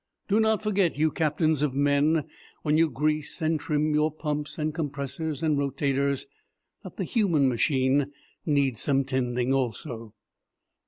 Do not forget, you captains of men, when you grease and trim your pumps and compressors and rotators, that the human machine needs some tending also.